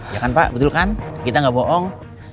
ya kan pak betul kan kita nggak bohong